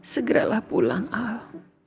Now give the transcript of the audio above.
segeralah pulang al